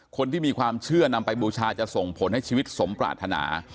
คนที่มีความเชื่อนำไปบูชาจะส่งผลให้ชีวิตสมปรารถนา